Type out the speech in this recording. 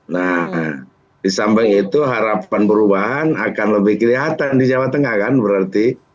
nah di samping itu harapan perubahan akan lebih kelihatan di jawa tengah kan berarti